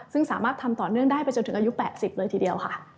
ซึ่งสามารถทำต่อเนื่องได้ไปจนถึงอายุ๘๐เลยทีเดียวค่ะ